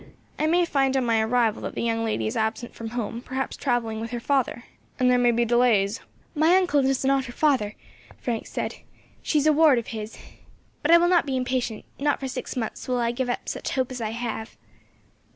I may find on my arrival that the young lady is absent from home, perhaps travelling with her father, and there may be delays." "My uncle is not her father," Frank said; "she is a ward of his. But I will not be impatient; not for six months will I give up such hope as I have."